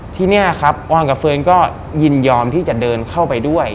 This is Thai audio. ที่นี่ครับออนกับเฟิร์นก็ยินยอมที่จะเดินเข้าไปด้วย